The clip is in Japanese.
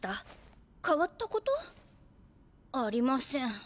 かわったこと？ありません。